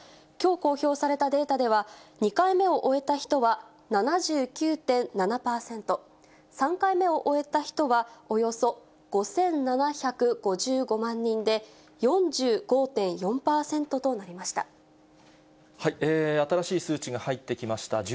きょう公表されたデータでは、２回目を終えた人は７９．７％、３回目を終えた人はおよそ５７５５万人で、新しい数値が入ってきました。